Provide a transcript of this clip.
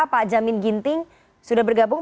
pak jamin ginting sudah bergabung